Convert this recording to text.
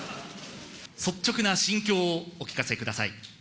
率直な心境をお聞かせください。